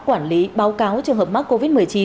quản lý báo cáo trường hợp mắc covid một mươi chín